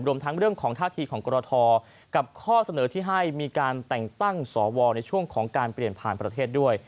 รวมทั้งเรื่องของท่าทีของกรทกับข้อเสนอที่ให้มีการแต่งตั้งสวในช่วงของการเปลี่ยนผ่านประเทศด้วย